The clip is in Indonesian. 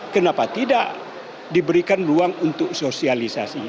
kenapa tidak diberikan ruang untuk sosialisasi